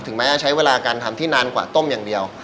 แม้จะใช้เวลาการทำที่นานกว่าต้มอย่างเดียว